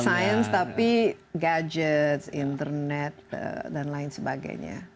sains tapi gadget internet dan lain sebagainya